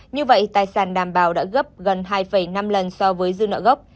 như vậy tài sản đảm bảo đã gấp gần hai năm lần so với dư nợ gốc